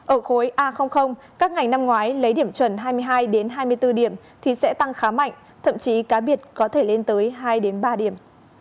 ở khối a các ngành năm ngoái lấy điểm chuẩn hai mươi hai hai mươi bốn điểm thì sẽ tăng khá mạnh thậm chí cá biệt có thể lên tới hai ba điểm